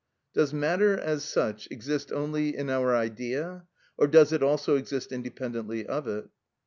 Does matter, as such, exist only in our idea, or does it also exist independently of it?